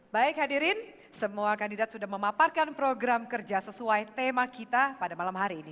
baik hadirin semua kandidat sudah memaparkan program kerja sesuai tema kita pada malam hari ini